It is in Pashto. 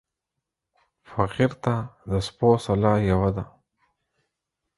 فقير ته د سپو سلا يوه ده.